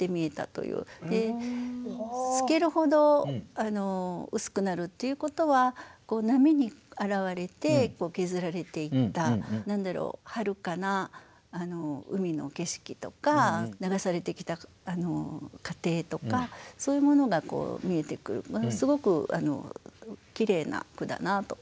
で透けるほど薄くなるっていうことは波に洗われて削られていった何だろうはるかな海の景色とか流されてきた過程とかそういうものが見えてくるすごくきれいな句だなと思いました。